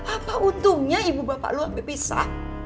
apa untungnya ibu bapak lo habis pisah